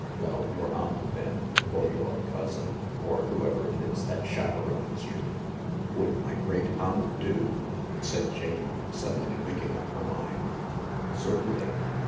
" Well, your aunt then, or your cousin, or whoever it is that chaperones you." " Would my great aunt do ?" said Jane, suddenly making up her mind. "Certainly."